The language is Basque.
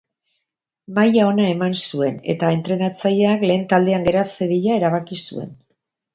Maila ona eman zuen, eta entrenatzaileak lehen taldean gera zedila erabaki zuen.